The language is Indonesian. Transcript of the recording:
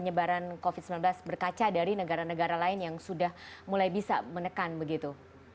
penyebaran covid sembilan belas berkaca dari negara negara lain yang sudah mulai bisa menekan begitu